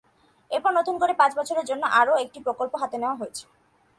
এরপর নতুন করে পাঁচ বছরের জন্য আরও একটি প্রকল্প হাতে নেওয়া হয়েছে।